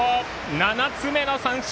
７つ目の三振。